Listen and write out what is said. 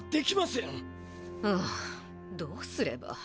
うむどうすれば。